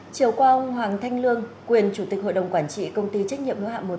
chiều qua ông hoàng thanh lương quyền chủ tịch hội đồng quản trị công ty trách nhiệm hữu hạ một